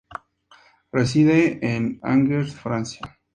Reside en Angers Francia.